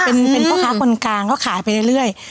เป็นพ่อค้าคนกลางเขาขายไปเรื่อย